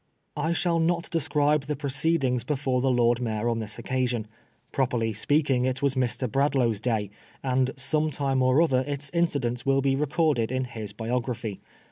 I shall not describe the proceedings before the Lord Mayor on this occasion. Properly speaking, it was Mr. Bradlaugh's day, and some time or other its incidents will be recorded in his biography.